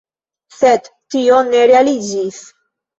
Sed tio ne realiĝis.